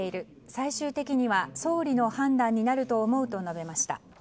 最終的には総理の判断になると思うと述べました。